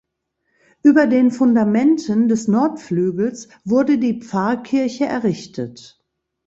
Über den Fundamenten des Nordflügels wurde die Pfarrkirche errichtet.